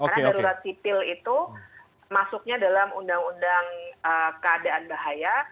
karena darurat sipil itu masuknya dalam undang undang keadaan bahaya